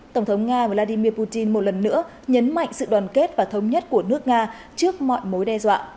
tổng thống nga vladimir putin một lần nữa nhấn mạnh sự đoàn kết và thống nhất của nước nga trước mọi mối đe dọa